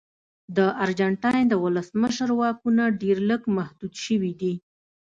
د ارجنټاین د ولسمشر واکونه ډېر لږ محدود شوي دي.